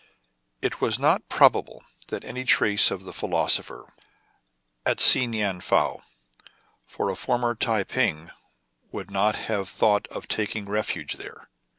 It was not probable that any trace of the philos opher would be found at Si Gnan Fou ; for a former Tai ping would not have thought of taking refuge there.